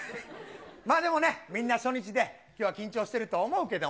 まあでもね、みんな初日で、きょうは緊張してると思うけども。